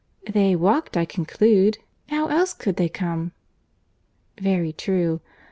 "They walked, I conclude. How else could they come?" "Very true.